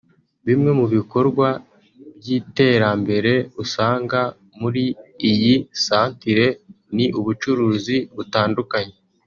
Bimwe mu bikorwa b’yiterambere usanga muri iyi santire ni ubucuruzi butandukanye